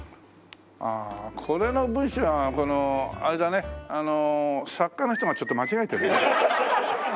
ああこれの文章はこのあれだね作家の人がちょっと間違えてる。